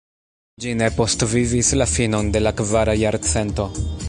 Ĝi ne postvivis la finon de la kvara jarcento.